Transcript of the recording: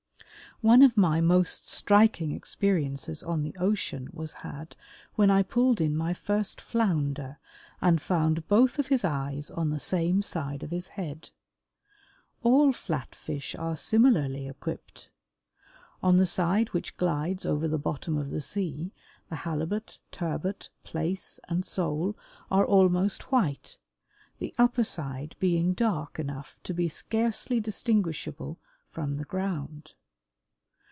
One of my most striking experiences on the ocean was had when I pulled in my first Flounder and found both of his eyes on the same side of his head. All Flat fish are similarly equipped. On the side which glides over the bottom of the sea, the Halibut, Turbot, Plaice, and Sole are almost white, the upper side being dark enough to be scarcely distinguishable from the ground.